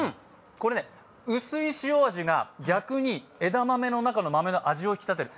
これね、薄い塩味が逆に枝豆の中の豆の味を引き立てる。